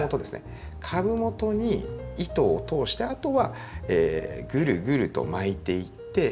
株元に糸を通してあとはぐるぐると巻いていって。